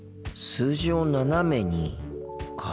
「数字を斜めに」か。